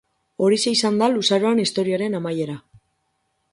Horixe izan da luzaroan historiaren amaiera.